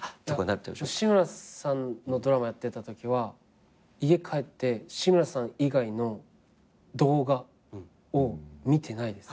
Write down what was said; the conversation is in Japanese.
志村さんのドラマやってたときは家帰って志村さん以外の動画を見てないです。